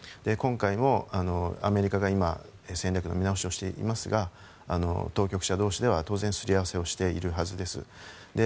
今回もアメリカが、今戦略の見直しをしていますが当局者同士では当然すり合わせをしているはずです。